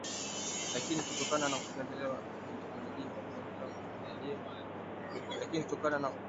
lakini kutokana na kuendelea kwa teknolojia